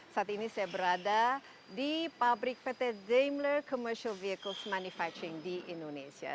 saat ini saya berada di pabrik pt daimler commercial vehicles manufacturing di indonesia